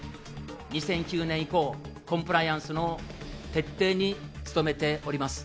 ２００９年以降、コンプライアンスの徹底に努めております。